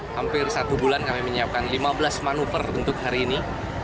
hampir satu bulan kami menyiapkan lima belas manuver untuk hari ini